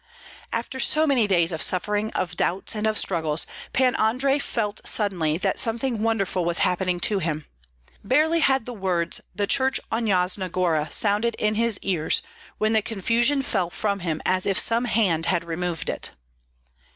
After so many days of suffering, of doubts, and of struggles, Pan Andrei felt suddenly that something wonderful was happening in him, Barely had the words, "the church on Yasna Gora," sounded in his ears when the confusion fell from him as if some hand had removed it.